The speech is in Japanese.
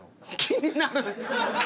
気になる！